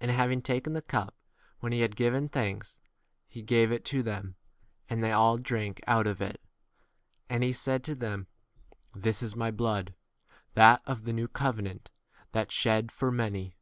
And having taken the cup, when he had given thanks, he gave [it] to them, and they all 24 drank out of it. And he said to them, This is my blood, that of the new covenant, that shed for 25 many.